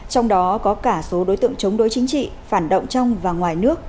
trong đó có cả số đối tượng chống đối chính trị phản động trong và ngoài nước